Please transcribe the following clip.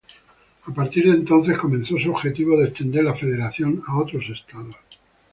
A partir de entonces, comenzó su objetivo de extender la Federación a otros estados.